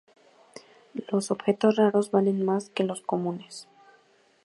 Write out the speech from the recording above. Los objetos raros valen más que los comunes.